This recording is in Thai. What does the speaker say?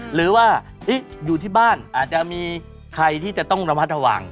หรือว่าอยู่ที่บ้านอาจจะมีใครที่จะต้องระมัดระวัง